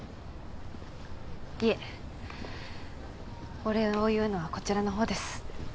いえお礼を言うのはこちらの方です。